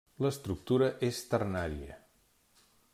L'estructura és ternària.